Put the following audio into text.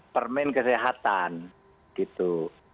permain kesehatan gitu